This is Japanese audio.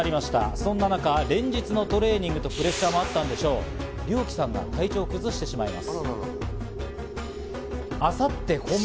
そんな中、連日のトレーニングとプレッシャーもあったんでしょう、リョウキさんが体調を崩してしまいます。